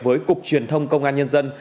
với cục truyền thông công an nhân dân